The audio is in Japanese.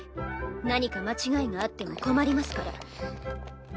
何か間違いがあっても困りますから。